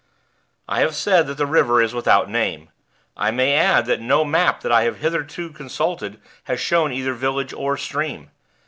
I have said that the river is without name; I may add that no map that I have hitherto consulted has shown either village or stream.